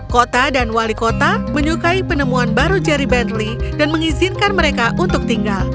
kota dan wali kota menyukai penemuan baru jerry bentley dan mengizinkan mereka untuk tinggal